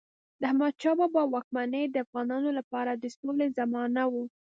د احمدشاه بابا واکمني د افغانانو لپاره د سولې زمانه وه.